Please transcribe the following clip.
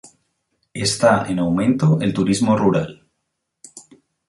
Está en aumento el turismo rural.